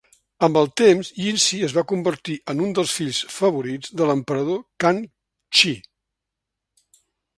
Amb el temps, Yinsi es va convertir en un dels fills favorits de l'emperador Kangxi.